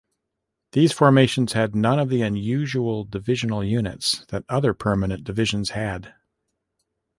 These formations had none of the usual divisional units that other permanent divisions had.